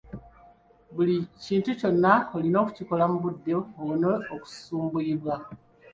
Buli kintu kyonna olina okukikola mu budde owone okusumbuyibwa.